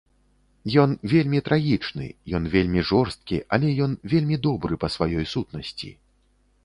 Ён вельмі трагічны, ён вельмі жорсткі, але ён вельмі добры па сваёй сутнасці.